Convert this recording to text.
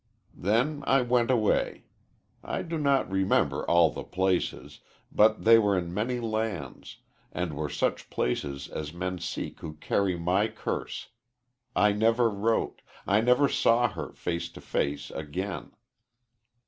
Then I went away. I do not remember all the places, but they were in many lands, and were such places as men seek who carry my curse. I never wrote I never saw her, face to face, again.